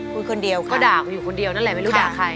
ก็ด่าก็อยู่คนเดียวนั่นแหละไม่รู้ด่าใคร